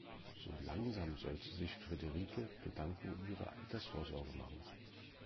So langsam sollte sich Frederike Gedanken um ihre Altersvorsorge machen.